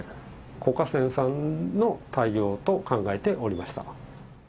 子家センさんの対応と考えておりました。